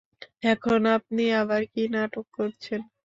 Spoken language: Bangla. এখন আপনি আবার কী নাটক করছেন?